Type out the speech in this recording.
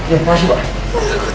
terima kasih pak